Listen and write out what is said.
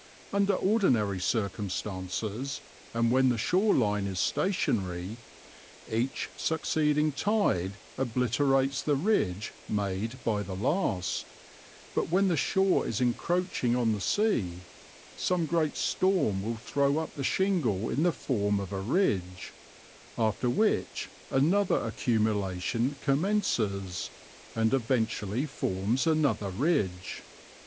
Under ordinary circumstances, and when the shore line is stationary, each succeeding tide obliterates the ridge made by the last; but when the shore is encroaching on the sea, some great storm will throw up the shingle in the form of a ridge, after which another accumulation commences, and eventually forms another ridge.